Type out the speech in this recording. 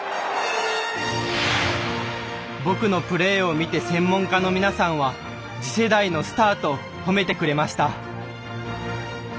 僕のプレーを見て専門家の皆さんは次世代のスターと褒めてくれました。